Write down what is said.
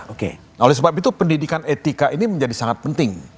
oke oleh sebab itu pendidikan etika ini menjadi sangat penting